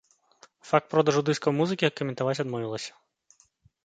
Факт продажу дыскаў музыкі каментаваць адмовілася.